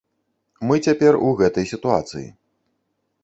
Мы цяпер у гэтай сітуацыі.